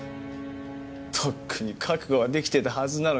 とっくに覚悟はできてたはずなのにさ。